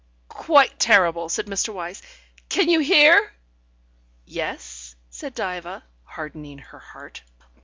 "Quite terrible," said Mr. Wyse. "Can you hear?" "Yes," said Diva, hardening her heart.